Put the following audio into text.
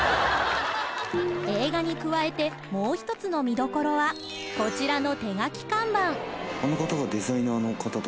映画に加えてもう一つの見どころはこちらの。